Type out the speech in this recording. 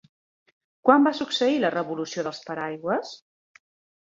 Quan va succeir la Revolució dels Paraigües?